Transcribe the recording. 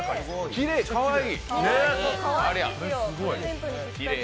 きれい、かわいい。